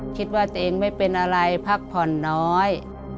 คิดว่าตัวเองไม่เป็นอะไรพักผ่อนน้อย